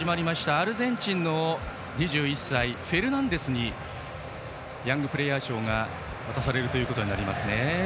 アルゼンチンの２１歳フェルナンデスにヤングプレーヤー賞が渡されました。